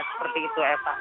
seperti itu ya pak